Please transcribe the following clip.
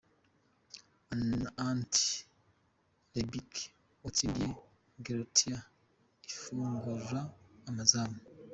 Ante Rebic watsindiye Croatia afungura amazamu .